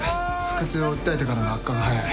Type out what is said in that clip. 腹痛を訴えてからの悪化が早い。